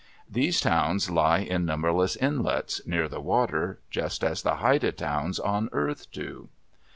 These towns lie in numberless inlets, near the water, just as the Haida towns on earth do.